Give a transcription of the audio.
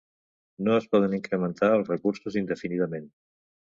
No es poden incrementar els recursos indefinidament.